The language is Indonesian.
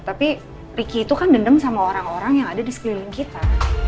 tapi ricky itu kan dendam sama orang orang yang ada di sekeliling kita